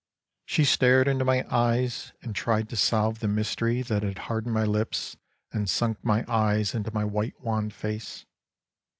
She stared into my eyes, and tried to solve the mystery that hardened my lips and sunk my eyes into my white wan face.